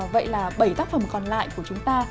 vậy là bảy tác phẩm còn lại của chúng ta